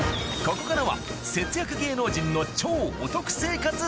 ここからは節約芸能人の超お得生活